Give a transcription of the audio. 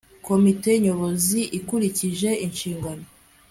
komite nyobozi ikurikije inshingano